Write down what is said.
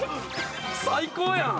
最高やん！